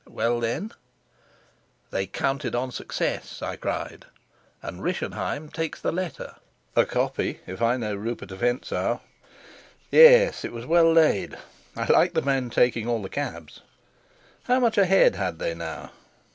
Well, then " "They counted on success," I cried, "and Rischenheim takes the letter!" "A copy, if I know Rupert of Hentzau. Yes, it was well laid. I like the men taking all the cabs! How much ahead had they, now."